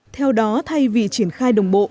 theo đó thay vì triển khai đồng bộ